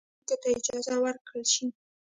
او څارونکو ته اجازه ورکړل شي